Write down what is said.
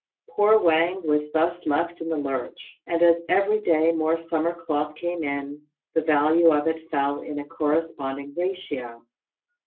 Poor Wang was thus left in the lurch, and as every day more summer cloth came in, the value of it fell in a corresponding ratio.